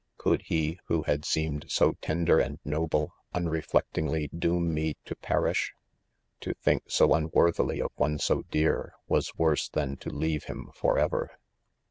— Could he, who had seemed so ten der and noble, unreflectingly doom me to per ish 1 — to think so unworthily of one so dear, was worse than to leave him forever.